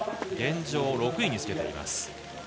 現状、６位につけています。